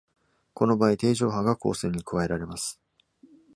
この場合、定常波が光線に加えられます。